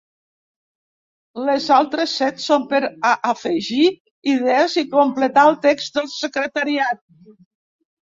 Les altres set són per a afegir idees i completar el text del secretariat.